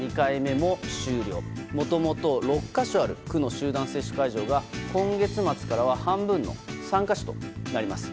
もともと６か所ある区の集団接種会場が今月末からは、半分の３か所となります。